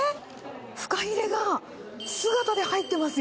フカヒレが姿で入ってますよ。